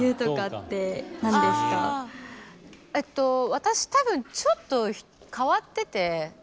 私たぶんちょっと変わってて。